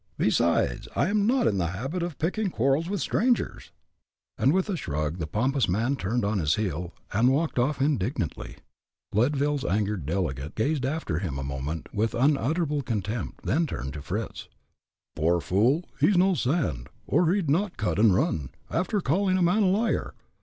Besides, I am not in the habit of picking quarrels with strangers." And with a shrug, the pompous man turned on his heel, and walked off, indignantly. Leadville's angered delegate gazed after him a moment, with unutterable contempt then turned to Fritz: "Poor fool. He's no sand, or he'd not cut and run, after calling a man a liar.